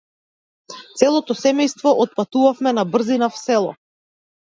Целото семејство отпатувавме набрзина в село.